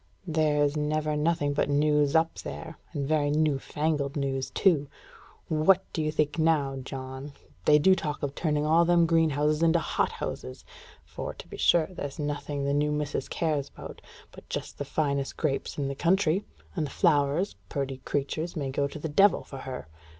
"There's never nothing but news up there, and very new fangled news, too. What do you think, now, John? They do talk of turning all them greenhouses into hothouses; for, to be sure, there's nothing the new missus cares about but just the finest grapes in the country; and the flowers, purty creatures, may go to the devil for her.